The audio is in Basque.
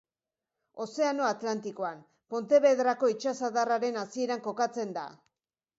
Ozeano Atlantikoan, Pontevedrako itsasadarraren hasieran kokatzen da.